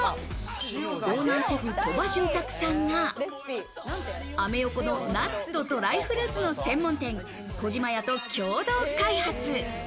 オーナーシェフ・鳥羽周作さんがアメ横のナッツとドライフルーツの専門店・小島屋と共同開発。